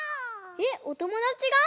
えっおともだちが？